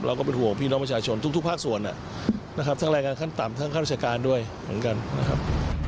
ก็เป็นห่วงพี่น้องประชาชนทุกภาคส่วนนะครับทั้งแรงงานขั้นต่ำทั้งข้าราชการด้วยเหมือนกันนะครับ